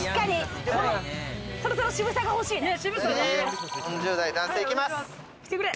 確かに、そろそろ渋さが欲しいね。